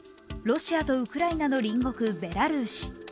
ロシアとウクライナの隣国ベラルーシ。